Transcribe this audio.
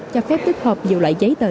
cho phép tiếp hợp nhiều loại giấy tờ